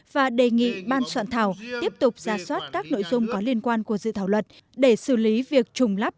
và đề nghị ban soạn thảo tiếp tục ra soát các nội dung có liên quan của dự thảo luật để xử lý việc trùng lắp